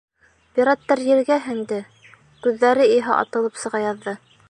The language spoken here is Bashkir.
Пираттар ергә һенде, күҙҙәре иһә атылып сыға яҙҙы.